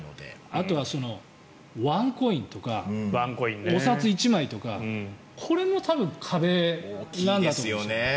あとはワンコインとかお札１枚とかこれも多分、壁なんだと思うんですよね。